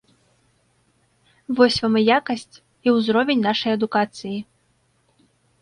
Вось вам і якасць, і ўзровень нашай адукацыі.